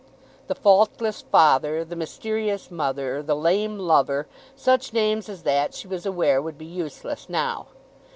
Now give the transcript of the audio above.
"The Faultless Father," "The Mysterious Mother," "The Lame Lover," such names as that she was aware would be useless now.